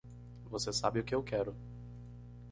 Você sabe o que eu quero.